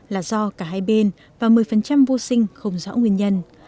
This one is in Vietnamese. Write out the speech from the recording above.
một mươi là do cả hai bên và một mươi vô sinh không rõ nguyên nhân